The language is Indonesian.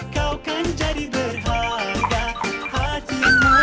kau kan jadi berharga hati